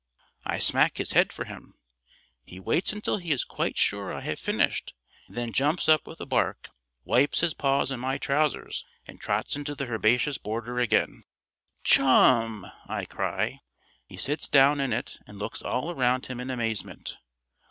I smack his head for him. He waits until he is quite sure I have finished and then jumps up with a bark, wipes his paws on my trousers and trots into the herbaceous border again. "Chum!" I cry. He sits down in it and looks all round him in amazement.